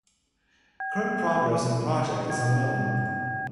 Current progress on the project is unknown.